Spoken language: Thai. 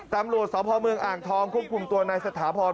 ตำรวจสพเมืองอ่างทองควบคุมตัวนายสถาพร